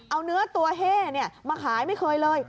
เอาเนื้อตัวเฮ่มาขายไม่เคยเลย